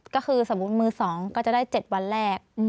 ก็คือสมมุติมือ๒ก็จะได้๗วันแรก